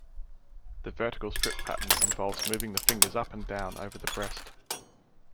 The vertical strip pattern involves moving the fingers up and down over the breast.